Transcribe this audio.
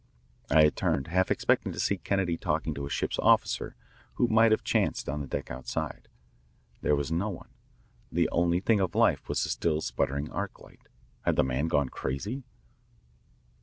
I had turned, half expecting to see Kennedy talking to a ship's officer who might have chanced on the deck outside. There was no one. The only thing of life was the still sputtering arc light. Had the man gone crazy?